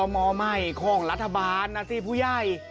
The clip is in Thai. มีข้องรัฐบาลนะสิผู้ใหญ่